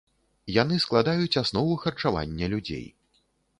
Яны складаюць аснову харчавання людзей.